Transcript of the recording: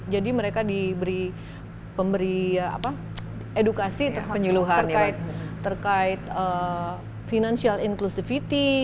jadi mereka diberi edukasi terkait financial inclusivity